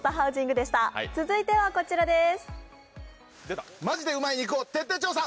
続いては、こちらです。